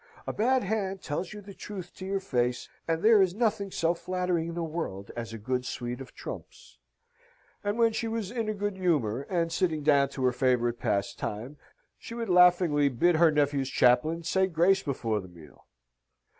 "A bad hand tells you the truth to your face: and there is nothing so flattering in the world as a good suite of trumps." And when she was in a good humour, and sitting down to her favourite pastime, she would laughingly bid her nephew's chaplain say grace before the meal.